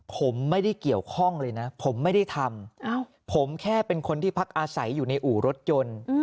ผมไม่ได้เกี่ยวข้องเลยนะผมไม่ได้ทำผมแค่เป็นคนที่พักอาศัยอยู่ในอู่รถยนต์